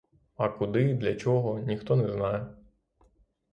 А куди, для чого, ніхто не знає.